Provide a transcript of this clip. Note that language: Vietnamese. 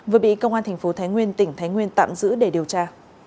vừa bị công an thành phố thái nguyên tỉnh thái nguyên tạm giữ để điều tra